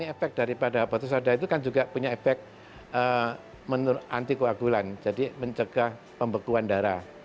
efek daripada habatus sauda itu kan juga punya efek anti keagulan jadi mencegah pembekuan darah